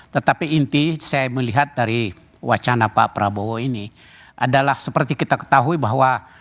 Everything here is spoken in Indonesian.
tetapi inti saya melihat dari wacana pak prabowo ini adalah seperti kita ketahui bahwa